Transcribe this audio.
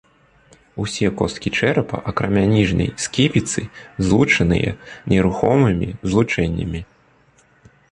Усе косткі чэрапа, акрамя ніжняй сківіцы, злучаныя нерухомымі злучэннямі.